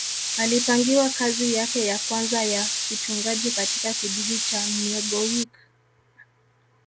alipangiwa kazi yake ya kwanza ya kichungaji katika kijiji cha niegowiic